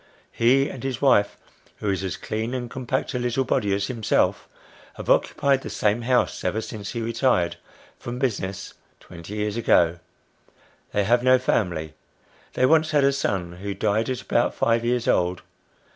He and his wife who is as clean and compact a little body as himself have occupied the same house ever since he retired from business twenty years ago. They have no family. They once had a son, who died at about five years old.